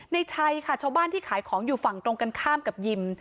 ในชัยค่ะชาวบ้านที่ขายของอยู่ฝั่งตรงกันข้ามกับยิม